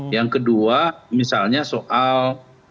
yang kedua misalnya soal